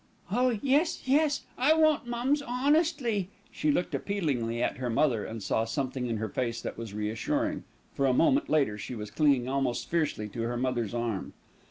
"Oh, yes, yes! I won't, mums, honestly." She looked appealingly at her mother, and saw something in her face that was reassuring, for a moment later she was clinging almost fiercely to her mother's arm.